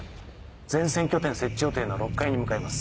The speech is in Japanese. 前線拠点設置予定の６階に向かいます。